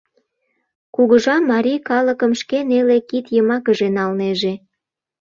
Кугыжа марий калыкым шке неле кид йымакыже налнеже.